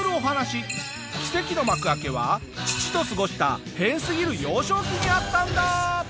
奇跡の幕開けは父と過ごした変すぎる幼少期にあったんだ！